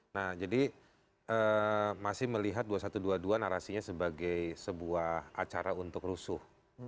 nah jadi masih melihat dua ribu satu ratus dua puluh dua narasinya sebagai sebuah acara untuk rusuh